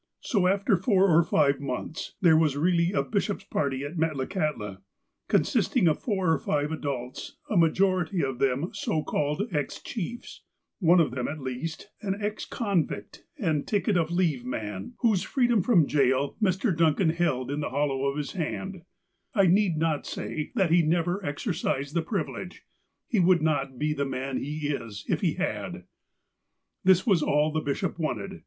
So, after four or five months, there was really a "bishop's party" at Metlakahtla, consisting of four or five adults, a majority of them so called ex chiefs, one of them, at least, an ex convict and a ticket of leave man, ' It was one of their own number who said it. 270 THE APOSTLE OF ALASKA whose freedom from jail Mr. Duncan held in the hollow of his hand. I need not say that he never exercised the privilege. He would not be the man he is, if he had. This was all the bishop wanted.